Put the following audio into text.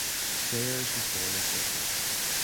Sayers was born in Turkey.